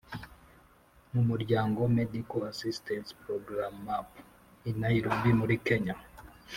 mu muryango “medical assistance programme (map)” i nairobi muri kenya,